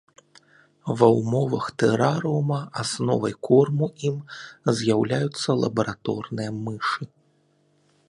Ва ўмовах тэрарыума асновай корму ім з'яўляюцца лабараторныя мышы.